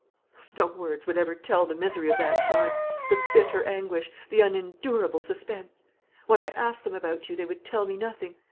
"No words would ever tell the misery of that time; the bitter anguish; the unendurable suspense. When I asked them about you, they would tell me nothing.